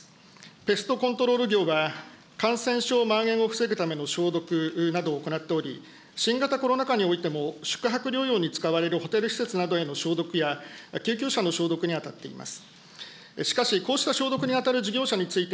ペストコントロール業は、感染症まん延を防ぐための消毒などを行っており、新型コロナ禍においても、宿泊療養に使われるホテル施設や消毒や救急車の消毒に当たっております。